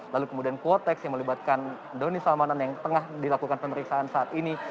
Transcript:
lalu kemudian quotex yang melibatkan doni salmanan yang tengah dilakukan pemeriksaan saat ini